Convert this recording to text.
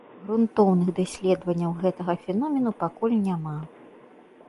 Грунтоўных даследаванняў гэтага феномену пакуль няма.